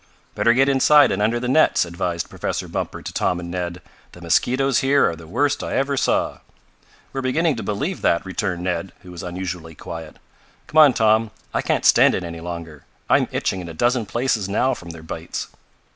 "Better get inside and under the nets," advised Professor Bumper to Tom and Ned. "The mosquitoes here are the worst I ever saw." "We're beginning to believe that," returned Ned, who was unusually quiet. "Come on, Tom. I can't stand it any longer. I'm itching in a dozen places now from their bites."